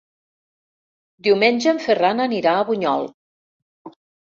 Diumenge en Ferran anirà a Bunyol.